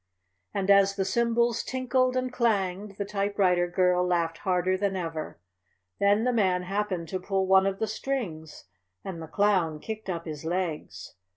And as the cymbals tinkled and clanged the typewriter girl laughed harder than ever. Then the man happened to pull one of the strings, and the Clown kicked up his legs.